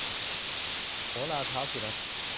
โหราเท้าสุนัข